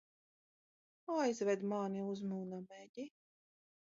Aizved mani uz Munameģi!